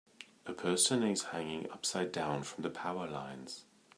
A person is hanging upside down from power lines.